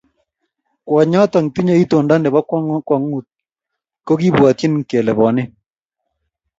kwonyoto tinyei itondo nebo kwong'ut ko kikibwotyi kele bonin